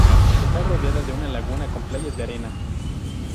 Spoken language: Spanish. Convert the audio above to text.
Está rodeada de una laguna con playas de arena.